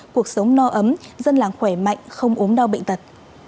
cuộc sống no ấm dân làng khỏe mạnh không ốm đau bệnh tật